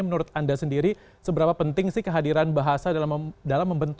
menurut anda sendiri seberapa penting sih kehadiran bahasa dalam membentuk